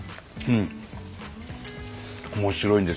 うん。